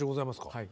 はい。